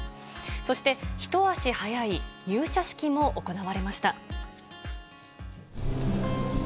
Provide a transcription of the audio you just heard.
そして、一足早い入社式も行われました。